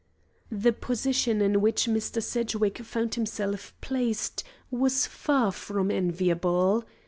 The position in which Mr. Sedgwick found himself placed was far from enviable.